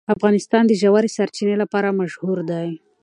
افغانستان د ژورې سرچینې لپاره مشهور دی.